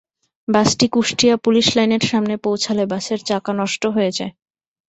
বাসটি কুষ্টিয়া পুলিশ লাইনের সামনে পৌঁছালে বাসের চাকা নষ্ট হয়ে যায়।